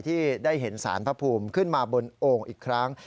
ที่ได้เห็นสารพระภูมิขึ้นมาบนโอ่งอีกครั้ง